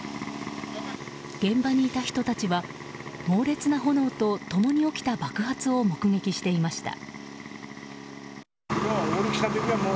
現場にいた人たちは猛烈な炎と共に起きた爆発を目撃していました。